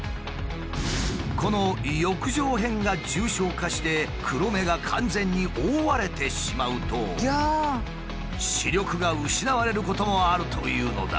この翼状片が重症化して黒目が完全に覆われてしまうと視力が失われることもあるというのだ。